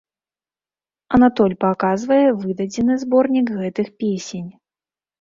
Анатоль паказвае выдадзены зборнік гэтых песень.